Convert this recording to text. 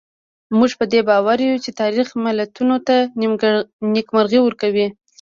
موږ په دې باور یو چې تاریخ ملتونو ته نېکمرغي ورکوي.